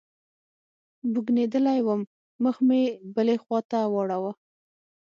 بوږنېدلى وم مخ مې بلې خوا ته واړاوه.